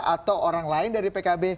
atau orang lain dari pkb